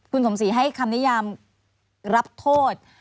คุณสมศรีให้คำนิยามรับโทษ